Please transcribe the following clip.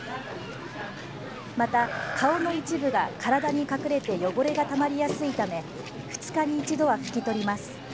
また、顔の一部が体に隠れて汚れがたまりやすいため２日に一度は拭き取ります。